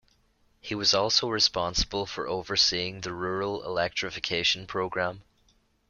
He was responsible for overseeing the Rural Electrification Program.